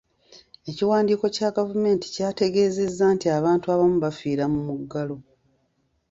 Ekiwandiiko kya gavumenti kyategeezezza nti abantu abamu bafiira mu muggalo.